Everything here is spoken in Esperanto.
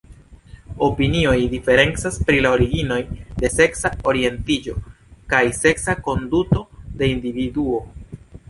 Opinioj diferencas pri la originoj de seksa orientiĝo kaj seksa konduto de individuo.